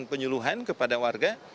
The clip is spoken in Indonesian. penyuluhan kepada warga